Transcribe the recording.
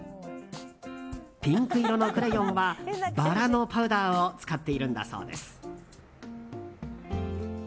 ピンク色のクレヨンはバラのパウダーを使っているんだそうです。